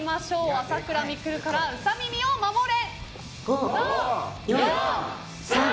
朝倉未来からウサ耳を守れ！